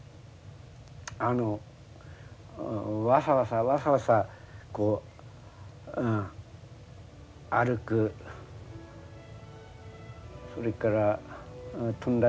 あのわさわさわさわさこう歩くそれから飛んだり。